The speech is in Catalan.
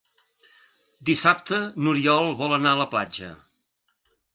Dissabte n'Oriol vol anar a la platja.